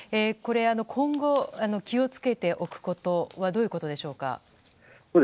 今後、気を付けておくことはどういうことでしょうか。